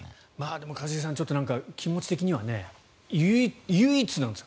でも、一茂さん気持ち的には唯一なんですよ